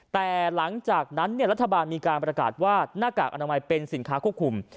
แต่หลังจากนั้นรัฐบาลมีการประกาศว่าหน้ากากอนามัยเป็นสินค้าควบคุม